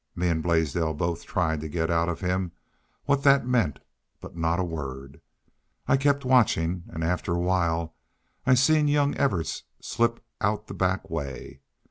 Me an' Blaisdell both tried to git out of him what thet meant. But not a word. I kept watchin' an' after a while I seen young Evarts slip out the back way.